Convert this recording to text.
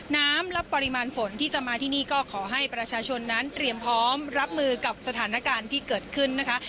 น้ำและปริมาณฝนที่จะมาที่นี่ก็ขอให้ประชาชนนั้นเตรียมพร้อมรับมือกับสถานการณ์ที่เกิดขึ้นนะคะ